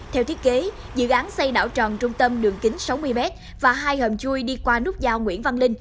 theo thiết kế dự án xây đảo tròn trung tâm đường kính sáu mươi m và hai hầm chui đi qua nút giao nguyễn văn linh